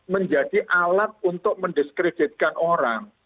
menjadi alat untuk mendiskreditkan orang